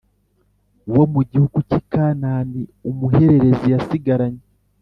Wo mu gihugu cy i kanani umuhererezi yasigaranye